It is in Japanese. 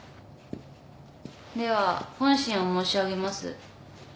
では本心を申し上げます。